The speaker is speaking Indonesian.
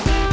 ya itu dia